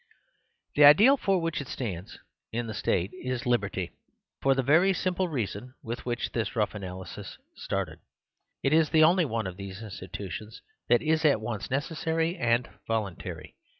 The ideal for which it stands in the state is liberty. It stands for liberty for the very simple reason with which this rough analysis started. It is the only one of these institutions that is at once necessary and voluntary.